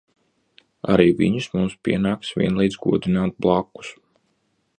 Arī viņus mums pienākas vienlīdz godināt blakus.